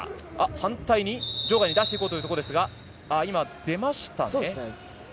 反対に場外に出していこうというところですが今、出ましたね。